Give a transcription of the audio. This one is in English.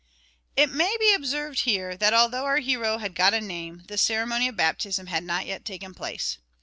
It may be observed here, that although our hero had got a name, the ceremony of baptism had not yet taken place.